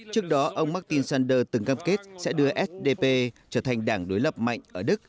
trước đó ông martin sander từng cam kết sẽ đưa fdp trở thành đảng đối lập mạnh ở đức